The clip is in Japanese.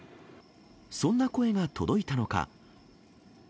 そんな声が届いたのか。